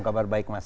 kabar baik mas